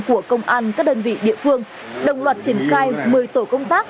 của công an các đơn vị địa phương đồng loạt triển khai một mươi tổ công tác